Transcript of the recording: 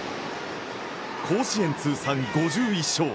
甲子園通算５１勝。